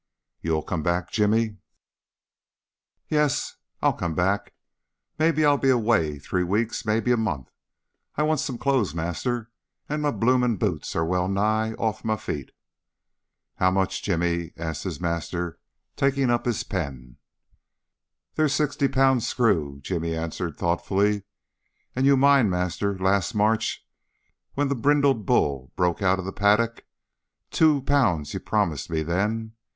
"You'll come back, Jimmy?" "Yes, I'll come back. Maybe I'll be away three weeks, maybe a month. I want some clothes, master, and my bloomin' boots are well nigh off my feet." "How much, Jimmy?" asks his master, taking up his pen. "There's sixty pound screw," Jimmy answers thoughtfully; "and you mind, master, last March, when the brindled bull broke out o' the paddock. Two pound you promised me then.